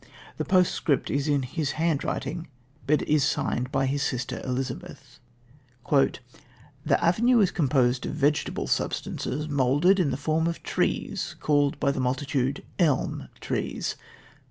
The postscript is in his handwriting, but is signed by his sister Elizabeth: "The avenue is composed of vegetable substances moulded in the form of trees called by the multitude Elm trees.